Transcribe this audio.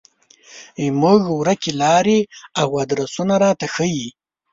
زموږ ورکې لارې او ادرسونه راته ښيي.